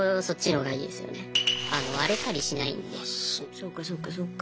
そっかそっかそっか。